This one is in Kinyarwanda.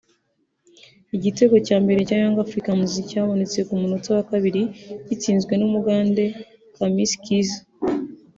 Igitego cya mbere cya Yanga Africans cyabonetse ku munota wa kabiri gitsinzwe n’Umugande Khamis Kiiza